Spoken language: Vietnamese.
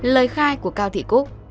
năm lời khai của cao thị cúc